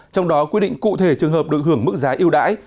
trong đó quyết định cụ thể trường hợp được hưởng mức giá yêu đáy